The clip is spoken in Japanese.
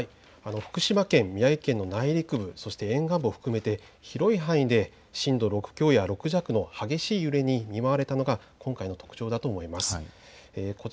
福島県、宮城県の内陸部、そして沿岸部を含めて広い範囲で震度６強や６弱の激しい揺れに見舞われたのが今回の特徴だと思います。